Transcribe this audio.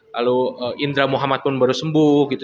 lalu indra muhammad pun baru sembuh gitu